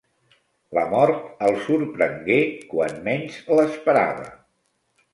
La mort el sorprengué quan menys l'esperava.